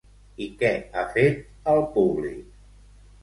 I què ha fet al públic?